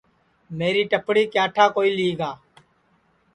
میری ٹپڑی کیا ٹھا کوئی لی گا